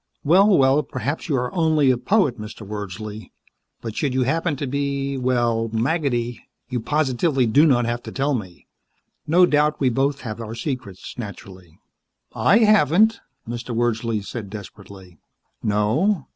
"Well, well, perhaps you are only a poet, Mr. Wordsley. But should you happen to be a little well, maggoty, you positively do not have to tell me. No doubt we both have our secrets. Naturally." "I haven't," Mr. Wordsley said desperately. "No?